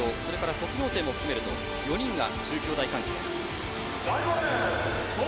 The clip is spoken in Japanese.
卒業生も含めると４人が中京大関係。